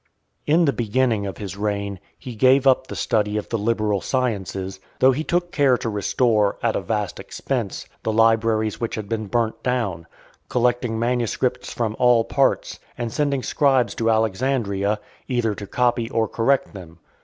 XX. In the beginning of his reign, he gave up the study of the liberal sciences, though he took care to restore, at a vast expense, the libraries which had been burnt down; collecting manuscripts from all parts, and sending scribes to Alexandria , either to copy or correct them.